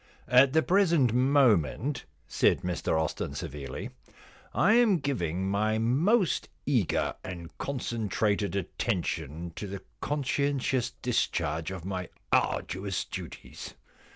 * At the present moment,' said Mr Austin severely, * I am giving my most eager and concentrated attention to the conscientious discharge of my arduous duties.